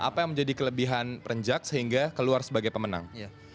apa yang menjadi kelebihan perenjak sehingga keluar sebagai pemenang